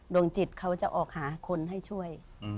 ดวงจิตเขาจะออกหาคนให้ช่วย